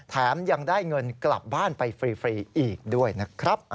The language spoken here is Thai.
แถมยังได้เงินกลับบ้านไปฟรีอีกด้วยนะครับ